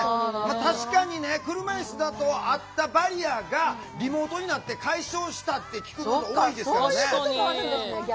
確かにね、車いすだとあったバリアがリモートになって解消したって聞くことは多いですからね。